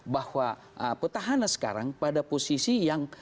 bahwa petahana sekarang pada posisi yang